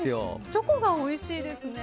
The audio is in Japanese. チョコがおいしいですね